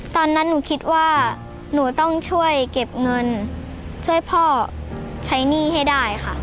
ตอนนั้นหนูคิดว่าหนูต้องช่วยเก็บเงินช่วยพ่อใช้หนี้ให้ได้ค่ะ